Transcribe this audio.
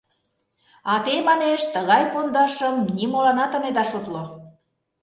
А те, манеш, тыгай пондашым нимоланат ынеда шотло.